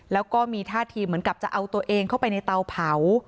แล้วก็มีท่าทีเหมือนกับจะเอาตัวเองเข้าไปในเตาเผา